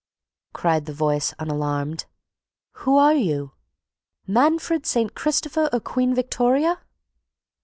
cried the voice unalarmed. "Who are you?—Manfred, St. Christopher, or Queen Victoria?"